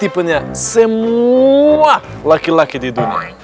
punya semua laki laki di dunia